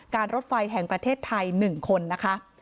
รถไฟแห่งประเทศไทย๑คนนะคะ